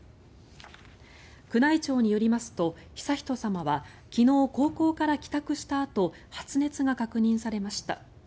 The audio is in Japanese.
宮内庁によりますと悠仁さまは昨日、高校から帰宅したあと発熱が確認されました。